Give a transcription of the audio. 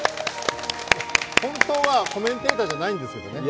本当はコメンテーターじゃないんですけどね？